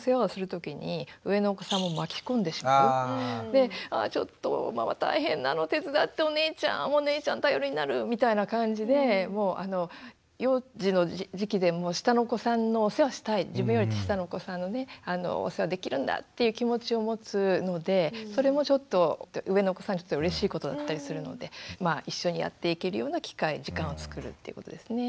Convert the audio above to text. で「ちょっとママ大変なの手伝ってお姉ちゃんお姉ちゃん頼りになる」みたいな感じで幼児の時期でも下のお子さんのお世話したい自分より年下のお子さんのねお世話できるんだっていう気持ちを持つのでそれもちょっと上のお子さんにとってはうれしいことだったりするので一緒にやっていけるような機会時間をつくるっていうことですね。